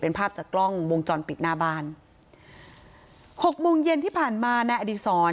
เป็นภาพจากกล้องวงจรปิดหน้าบ้านหกโมงเย็นที่ผ่านมานายอดีศร